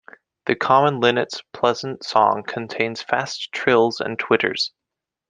The common linnet's pleasant song contains fast trills and twitters.